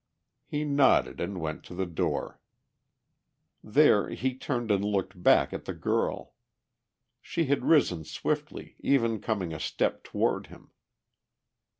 He nodded and went to the door. There he turned and looked back at the girl. She had risen swiftly, even coming a step toward him.